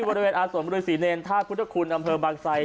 บริเวณอาทธิ์ส่วนบริษฐศรีเนรนด์ท่าพุทธคุณอำเภอบางไทย